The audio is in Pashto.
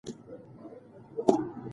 که ماشومان سم و روزل سي نو ټولنه سمیږي.